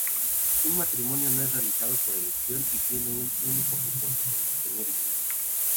Un matrimonio no es realizado por elección y tiene un único propósito, tener hijos.